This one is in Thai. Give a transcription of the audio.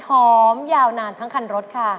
หอมยาวนานทั้งคันรถค่ะ